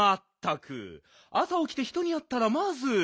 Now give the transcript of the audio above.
あさおきて人にあったらまず。